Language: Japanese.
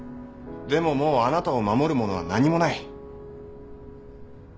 でももうあなたを守るものは何もない。